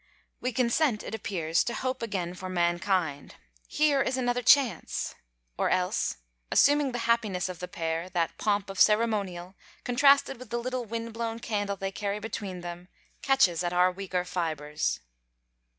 We consent, it appears, to hope again for mankind; here is another chance! Or else, assuming the happiness of the pair, that pomp of ceremonial, contrasted with the little wind blown candle they carry between them, catches at our weaker fibres.